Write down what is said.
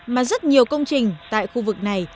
mà rất nhiều công trình tại khu vực này